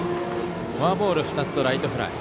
フォアボール２つとライトフライ。